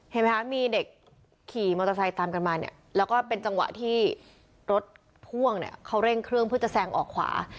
เห็นไหมคะมีเด็กขี่มอเตอร์ไซค์ตามกันมาเนี่ยแล้วก็เป็นจังหวะที่รถพ่วงเนี่ยเขาเร่งเครื่องเพื่อจะแซงออกขวา